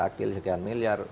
akil sekian miliar